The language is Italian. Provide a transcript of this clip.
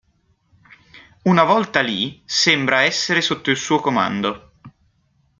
Una volta lì, sembra essere sotto il suo comando.